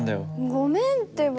ごめんってば。